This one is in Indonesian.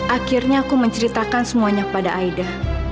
akhirnya aku menceritakan semuanya pada aida